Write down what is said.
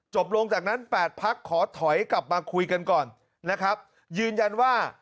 จบลงจากนั้น๘พักขอถอยกลับมาคุยกันก่อนยืนยันว่า